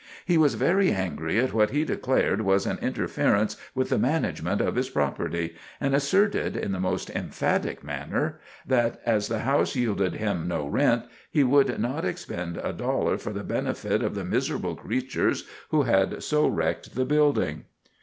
He was very angry at what he declared was an interference with the management of his property, and asserted, in the most emphatic manner, that as the house yielded him no rent, he would not expend a dollar for the benefit of the miserable creatures who had so wrecked the building.